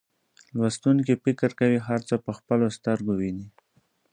لوستونکي فکر کوي هر څه په خپلو سترګو ویني.